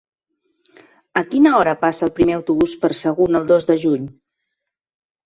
A quina hora passa el primer autobús per Sagunt el dos de juny?